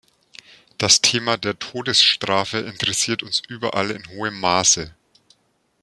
Das Thema der Todesstrafe interessiert uns überall in hohem Maße.